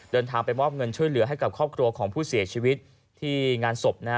เดินทางไปมอบเงินช่วยเหลือให้กับครอบครัวของผู้เสียชีวิตที่งานศพนะฮะ